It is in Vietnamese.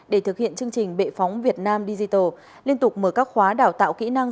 để thực hiện chương trình bệ phóng việt nam digital liên tục mở các khóa đào tạo kỹ năng